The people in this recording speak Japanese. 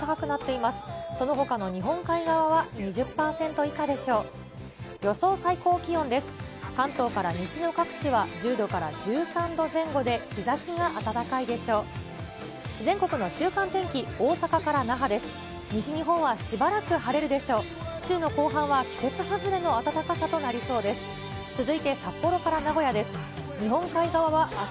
週の後半は、季節外れの暖かさとなりそうです。